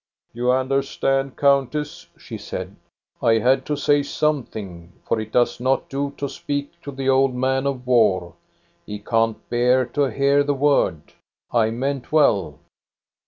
" You understand, countess," she said, " I had to say something; for it does not do to speak to the old man of war. He can't bear to hear the word. I meant well."